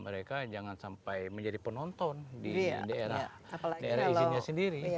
mereka jangan sampai menjadi penonton di daerah izinnya sendiri